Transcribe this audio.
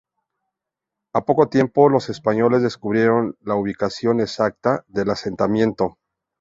Al poco tiempo los españoles descubrieron la ubicación exacta del asentamiento.